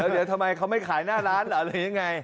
เดี๋ยวทำไมเขาไม่ขายหน้าร้านเหรอหรือยังไง